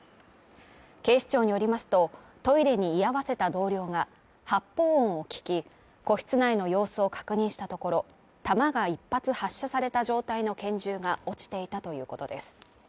警視庁によりますと、トイレに居合わせた同僚が発砲音を聞き、個室内の様子を確認したところ、弾が一発発射された状態の拳銃が落ちていたということです。